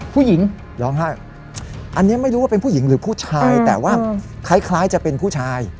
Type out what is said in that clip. ผู้หญิงร้องไห้อันนี้ไม่รู้ว่าเป็นผู้หญิงหรือผู้ชายแต่ว่าคล้ายจะเป็นผู้ชาย